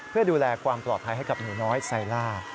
เพื่อดูแลความปลอดภัยให้กับหนูน้อยไซล่า